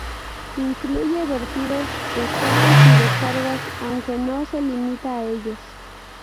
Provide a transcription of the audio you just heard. Incluye vertidos, escapes y descargas, aunque no se limita a ellos.